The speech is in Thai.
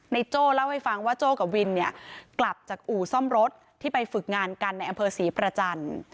โจ้เล่าให้ฟังว่าโจ้กับวินเนี่ยกลับจากอู่ซ่อมรถที่ไปฝึกงานกันในอำเภอศรีประจันทร์